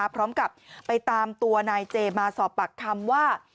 พร้อมกับไปตามตัวนายเจมาสอบปากคำว่า